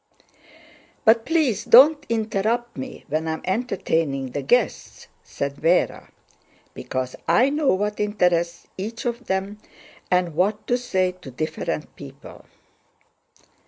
"But please don't interrupt me when I am entertaining the guests," said Véra, "because I know what interests each of them and what to say to different people."